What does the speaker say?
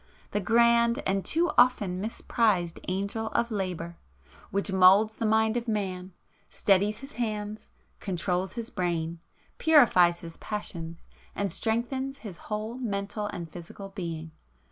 —the grand and too often misprized Angel of Labour, which moulds the mind of man, steadies his hands, controls his brain, purifies his passions, and strengthens his whole mental and physical being.